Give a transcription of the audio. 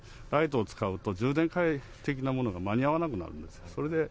ライトを使うと充電の替え的なものが間に合わなくなるんです。